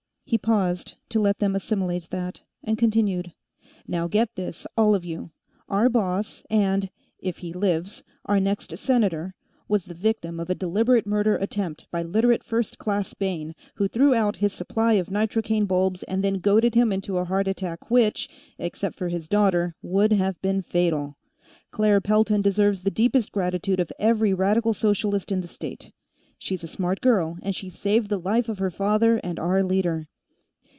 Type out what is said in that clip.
He paused, to let them assimilate that, and continued: "Now get this, all of you! Our boss, and if he lives our next senator, was the victim of a deliberate murder attempt, by Literate First Class Bayne, who threw out his supply of nitrocaine bulbs and then goaded him into a heart attack which, except for his daughter, would have been fatal. Claire Pelton deserves the deepest gratitude of every Radical Socialist in the state. She's a smart girl, and she saved the life of her father and our leader.